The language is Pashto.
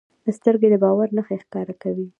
سترګې د باور نښې ښکاره کوي